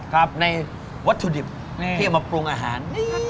ในวัตถุดิบที่เอามาปรุงอาหาร